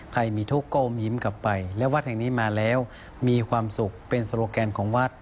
ให้มีทุกข์ก้มยิ้มกลับไปและวัดแห่งนี้มาแล้วมีความสุขเป็นโซโลแกนของวัด